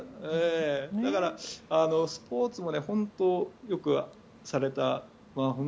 だから、スポーツも本当によくされた。